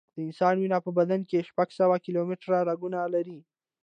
د انسان وینه په بدن کې شپږ سوه کیلومټره رګونه لري.